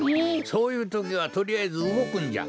そういうときはとりあえずうごくんじゃ。